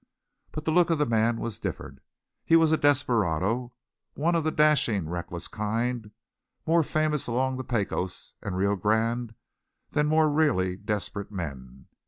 But the look of the man was different. He was a desperado, one of the dashing, reckless kind more famous along the Pecos and Rio Grande than more really desperate men.